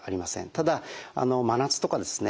ただ真夏とかですね